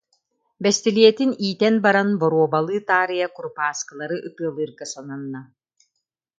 Бэстилиэтин иитэн баран, боруобалыы таарыйа курупааскылары ытыалыырга сананна